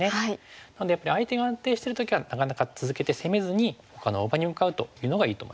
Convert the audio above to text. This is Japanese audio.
なのでやっぱり相手が安定してる時はなかなか続けて攻めずにほかの大場に向かうというのがいいと思います。